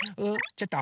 ちょっと。